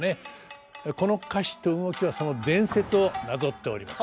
この歌詞と動きはその伝説をなぞっております。